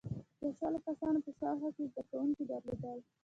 • د شلو کسانو په شاوخوا کې یې زدهکوونکي درلودل.